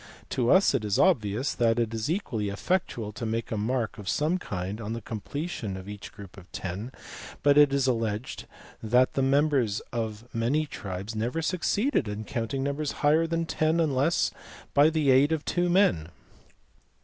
To us it is obvious that it is equally effectual to make a mark of some kind on the completion of each group of ten, but it is alleged that the members of many tribes never succeeded in counting numbers higher than ten unless by the aid of two men.